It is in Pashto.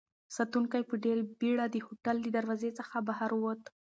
ساتونکی په ډېرې بېړه د هوټل له دروازې څخه بهر ووت.